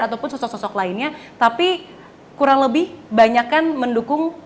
ataupun sosok sosok lainnya tapi kurang lebih banyak kan mendukung